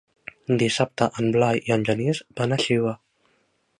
Dissabte en Blai i en Genís van a Xiva.